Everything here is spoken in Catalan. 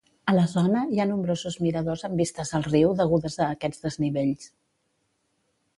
A la zona hi ha nombrosos miradors amb vistes al riu degudes a aquests desnivells.